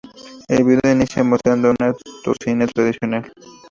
El vídeo inicia mostrando un autocine tradicional.